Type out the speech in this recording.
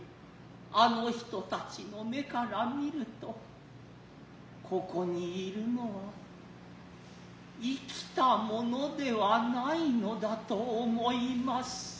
あの人たちの目から見ると此処に居るのは活きたものではないのだと思ひます。